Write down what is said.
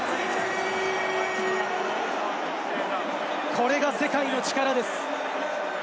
これが世界の力です。